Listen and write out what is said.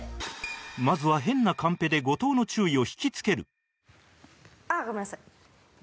まずは変なカンペで後藤の注意を引き付けるああごめんなさい。